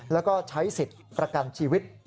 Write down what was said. แล้วก็ใช้สิทธิ์ประกันชีวิต